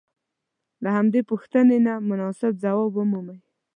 که همدې پوښتنې ته مناسب ځواب ومومئ.